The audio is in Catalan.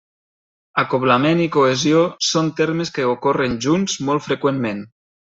Acoblament i cohesió són termes que ocorren junts molt freqüentment.